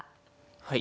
はい。